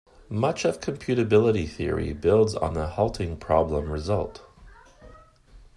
Much of computability theory builds on the halting problem result.